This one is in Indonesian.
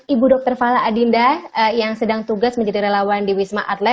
ibu dr fala adinda yang sedang tugas menjadi relawan di wisma atlet